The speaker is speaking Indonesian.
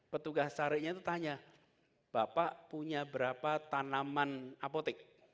petugas sarinya itu tanya bapak punya berapa tanaman apotek